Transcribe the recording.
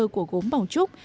của gốm bảo trúc